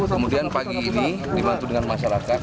kemudian pagi ini dibantu dengan masyarakat